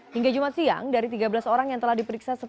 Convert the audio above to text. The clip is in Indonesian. hingga jumat siang dari tiga belas orang yang telah diperiksa